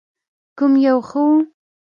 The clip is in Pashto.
کوم یو ښه و؟